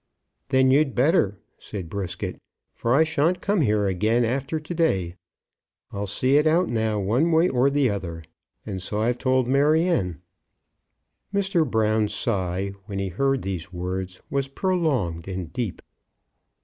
"Then you'd better," said Brisket. "For I shan't come here again after to day. I'll see it out now one way or the other, and so I've told Maryanne." Mr. Brown's sigh, when he heard these words, was prolonged and deep.